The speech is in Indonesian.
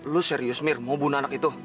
lu serius mir mau bunuh anak itu